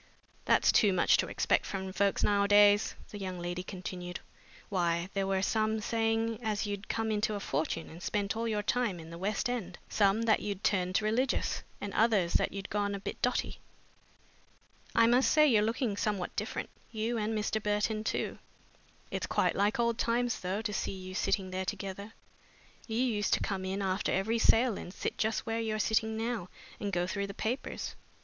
"That's too much to expect from folks nowadays," the young lady continued. "Why, there were some saying as you'd come into a fortune and spent all your time in the west end, some that you'd turned religious, and others that you'd gone a bit dotty. I must say you're looking somehow different, you and Mr. Burton too. It's quite like old times, though, to see you sitting there together. You used to come in after every sale and sit just where you're sitting now and go through the papers.